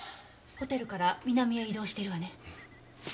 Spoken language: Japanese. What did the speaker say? ホテルから南へ移動してるわね。